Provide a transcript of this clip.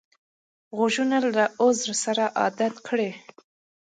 غوږونه له عذر سره عادت کړی